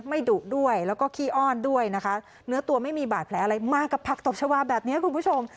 ดุด้วยแล้วก็ขี้อ้อนด้วยนะคะเนื้อตัวไม่มีบาดแผลอะไรมากับผักตบชาวาแบบนี้คุณผู้ชม